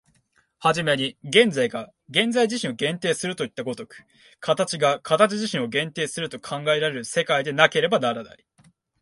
始めに現在が現在自身を限定するといった如く、形が形自身を限定すると考えられる世界でなければならない。